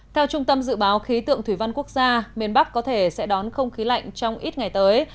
theo trung tâm dự báo khí tượng thủy văn quốc gia miền bắc có thể sẽ đón không khí lạnh trong ít ngày tới